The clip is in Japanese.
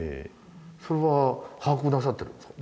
それは把握なさってるんですか？